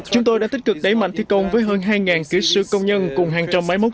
chúng tôi đã tích cực đẩy mạnh thi công với hơn hai kỹ sư công nhân cùng hàng trăm máy móc